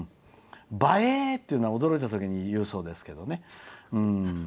「ばえー」っていうのは驚いたときに言うそうですけどね。